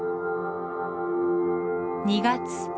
２月。